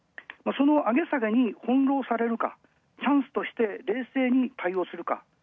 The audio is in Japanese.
その上げ下げに翻弄されるか、チャンスとして冷静に対応するか。